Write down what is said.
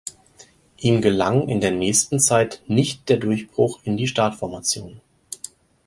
Ihm gelang in der nächsten Zeit nicht der Durchbruch in die Startformation.